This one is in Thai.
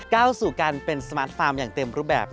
ก้าวสู่การเป็นสมาร์ทฟาร์มอย่างเต็มรูปแบบ